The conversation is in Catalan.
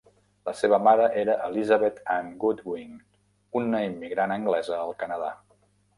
La seva mare era Elizabeth Ann Goodwin, una immigrant anglesa al Canadà.